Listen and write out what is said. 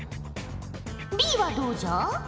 Ｂはどうじゃ？